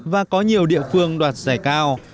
và có nhiều địa phương đoạt giải cao